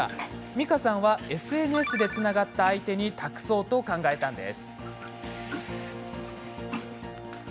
美香さんは、ＳＮＳでつながった相手に託そうと考えたのです。